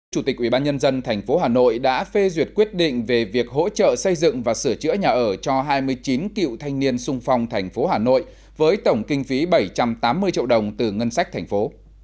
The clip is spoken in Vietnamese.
chủ tịch ủy ban nhân dân tp hà nội đã phê duyệt quyết định về việc hỗ trợ xây dựng và sửa chữa nhà ở cho hai mươi chín cựu thanh niên sung phong tp hà nội với tổng kinh phí bảy trăm tám mươi triệu đồng từ ngân sách thành phố